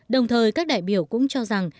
đồng thời các đại biểu cũng cho rằng